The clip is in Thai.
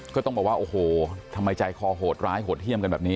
ก็ต้องบอกว่าโอ้โหทำไมใจคอโหดร้ายโหดเยี่ยมกันแบบนี้